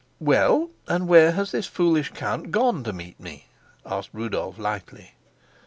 "Well, and where has this foolish count gone to meet me?" asked Rudolf lightly.